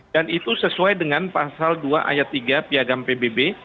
dan itu sesuai dengan pasal dua ayat tiga piagam pbb